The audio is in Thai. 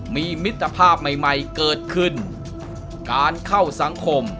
มีมิตรภาพใหม่ใหม่เกิดขึ้นการเข้าสังคม